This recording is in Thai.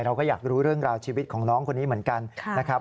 เราก็อยากรู้เรื่องราวชีวิตของน้องคนนี้เหมือนกันนะครับ